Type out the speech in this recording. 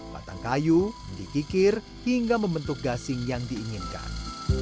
batang kayu dikikir hingga membentuk gasing yang diinginkan